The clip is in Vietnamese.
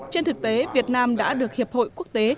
trên thực tế việt nam đã được hiệp hội quốc tế